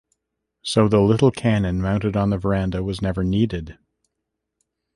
So the little cannon mounted on the verandah was never 'needed.